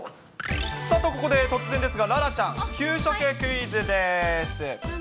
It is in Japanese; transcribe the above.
さてここで突然ですが、楽々ちゃん、給食クイズです。